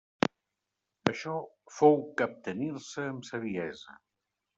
Això fou captenir-se amb saviesa.